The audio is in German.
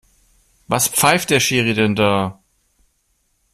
Was pfeift der Schiri denn da?